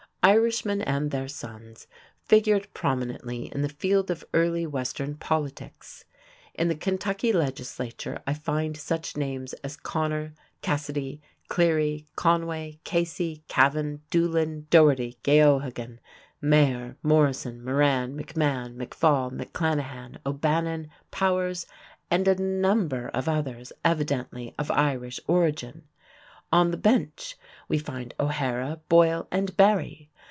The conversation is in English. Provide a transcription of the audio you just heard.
Irishmen and their sons figured prominently in the field of early western politics. In the Kentucky legislature, I find such names as Connor, Cassidy, Cleary, Conway, Casey, Cavan, Dulin, Dougherty, Geohegan, Maher, Morrison, Moran, McMahon, McFall, McClanahan, O'Bannon, Powers, and a number of others evidently of Irish origin. On the bench we find O'Hara, Boyle, and Barry.